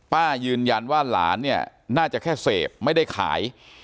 ป้ายืนยันว่าหลานเนี่ยน่าจะแค่เสพไม่ได้ขาย